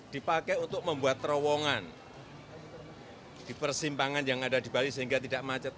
dipakai untuk membuat terowongan di persimpangan yang ada di bali sehingga tidak macet